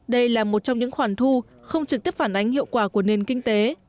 đây là một trong những khoản thu không trực tiếp phản ánh hiệu quả của nền kinh tế